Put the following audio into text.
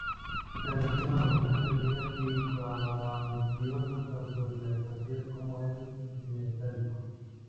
Se recibieron aportaciones pequeñas y cuantiosas, tanto en mercancías como en metálico.